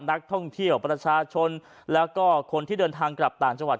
นักท่องเที่ยวประชาชนแล้วก็คนที่เดินทางกลับต่างจังหวัด